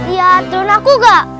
iya drone aku nggak